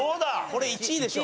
これ１位でしょ。